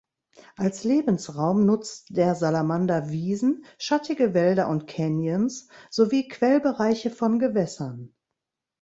Als Lebensraum nutzt der Salamander Wiesen, schattige Wälder und Canyons sowie Quellbereiche von Gewässern.